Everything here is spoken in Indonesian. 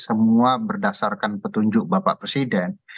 semua berdasarkan petunjuk bapak presiden